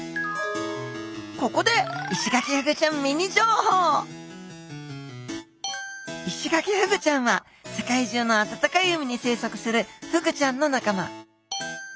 ここでイシガキフグちゃんは世界中の暖かい海に生息するフグちゃんの仲間。